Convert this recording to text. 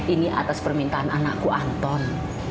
ini atas permintaan anakku anton